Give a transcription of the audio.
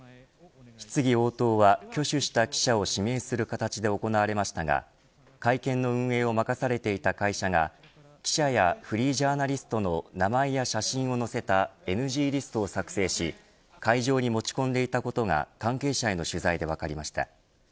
質疑応答は、挙手した記者を指名する形で行われましたが会見の運営を任されていた会社が記者やフリージャーナリストの名前や写真を載せたＮＧリストを作成し会場に持ち込んでいたことが関係者への取材で分かりました。